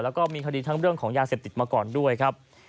แล้วก็มีคดีทั้งเรื่องของยาเสพติดมาก่อนด้วยครับ